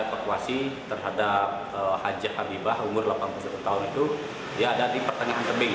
evakuasi terhadap haji habibah umur delapan puluh satu tahun itu dia ada di pertengahan tebing